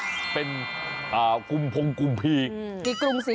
กุมศรีด้วยแล้วก่งก่างที่นี่